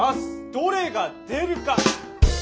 どれが出るか。